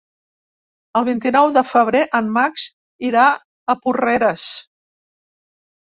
El vint-i-nou de febrer en Max irà a Porreres.